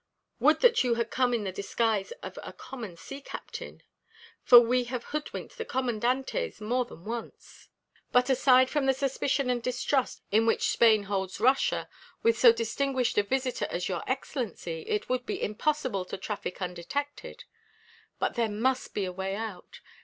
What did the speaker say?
"Would that you had come in the disguise of a common sea captain, for we have hoodwinked the commandantes more than once. But aside from the suspicion and distrust in which Spain holds Russia with so distinguished a visitor as your excellency, it would be impossible to traffic undetected. But there must be a way out.